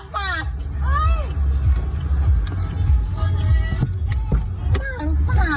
พี่ไม่ทำค่ะ